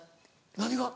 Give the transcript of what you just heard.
何が？